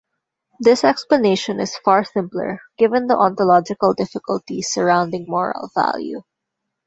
This explanation is far simpler, given the ontological difficulties surrounding moral value.